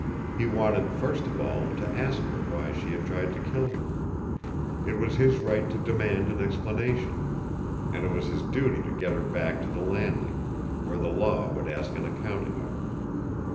He wanted, first of all, to ask her why she had tried to kill him. It was his right to demand an explanation. And it was his duty to get her back to the Landing, where the law would ask an accounting of her.